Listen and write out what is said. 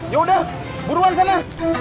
yaudah buruan sana